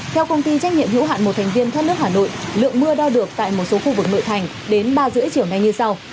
theo công ty trách nhiệm hữu hạn một thành viên thất nước hà nội lượng mưa đo được tại một số khu vực nội thành đến ba năm triệu ngày như sau